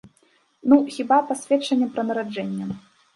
Ну, хіба, пасведчаннем пра нараджэнне.